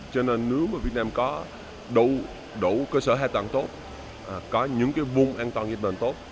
cho nên nếu mà việt nam có đủ cơ sở hay toàn tốt có những vùng an toàn hiệu đoàn tốt